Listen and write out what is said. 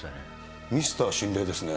ミスター心霊ですね。